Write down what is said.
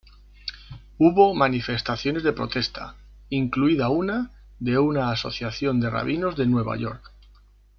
Hubo manifestaciones de protesta, incluida una de una asociación de rabinos de Nueva York.